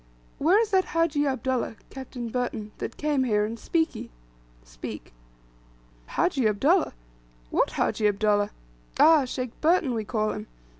"Where is that Hajji Abdullah (Captain Burton) that came here, and Spiki?" (Speke.) "Hajji Abdullah! What Hajji Abdullah? Ah! Sheikh Burton we call him.